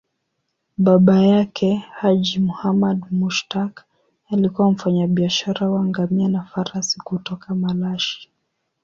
Baba yake, Haji Muhammad Mushtaq, alikuwa mfanyabiashara wa ngamia na farasi kutoka Malashi.